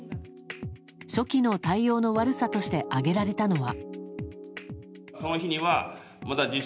初期の対応の悪さとして挙げられたのは。